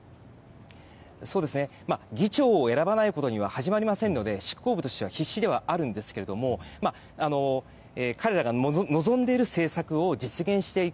議長を選ばないことには始まりませんので執行部としては必死ではあるんですけれども彼らが望んでいる政策を実現していく。